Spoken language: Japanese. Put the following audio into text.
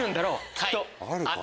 きっと。